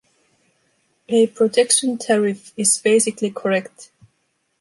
A protection tariff is basically correct.